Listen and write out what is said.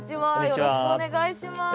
よろしくお願いします。